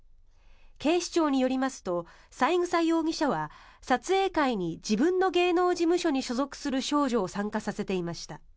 警視庁によりますと三枝容疑者は撮影会に自分の芸能事務所に所属する少女を参加させていました。